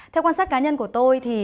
theo quan sát cá nhân của tôi thì